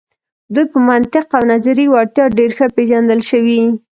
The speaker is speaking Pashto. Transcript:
دوی په منطق او نظري وړتیا ډیر ښه پیژندل شوي.